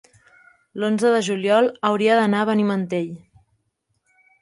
L'onze de juliol hauria d'anar a Benimantell.